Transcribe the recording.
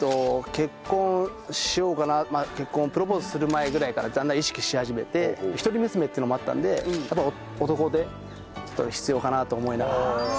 結婚しようかなプロポーズする前ぐらいからだんだん意識し始めて一人娘っていうのもあったのでやっぱ男手必要かなと思いながら。